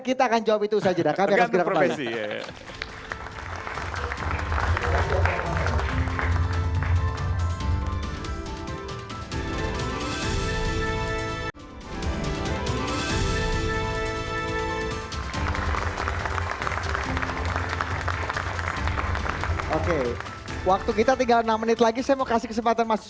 kita akan jawab itu usaha jeda